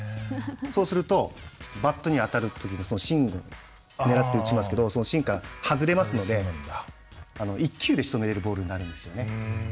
そうするとバットに当たるとき芯を狙って打ちますけど芯から外れますので１球でしとめれるボールになるんですよね。